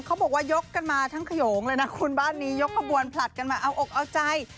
ยกกันมาทั้งขยงเลยนะคุณบ้านนี้ยกขบวนผลัดกันมาเอาอกเอาใจ